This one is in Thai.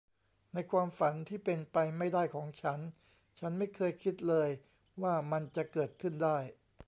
ในความฝันที่เป็นไปไม่ได้ของฉัน ฉันไม่เคยคิดเลยว่ามันจะเกิดขึ้นได้